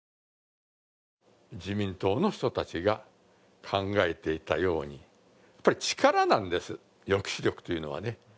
自民党の人たちが考えていたようにやっぱり力なんです、抑止力というのはね。